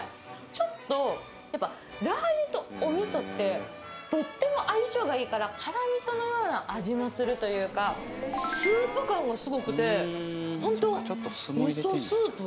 ちょっとやっぱラー油とお味噌ってとっても相性がいいから辛味噌のような味もするというかスープ感がすごくてホント味噌スープ